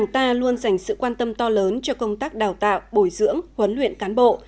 ta luôn dành sự quan tâm to lớn cho công tác đào tạo bồi dưỡng huấn luyện cán bộ